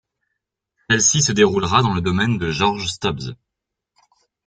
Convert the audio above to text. Celle-ci se déroulera dans le domaine de Georges Stubbs.